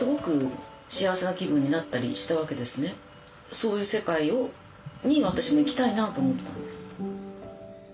そういう世界に私も行きたいなと思ったんです。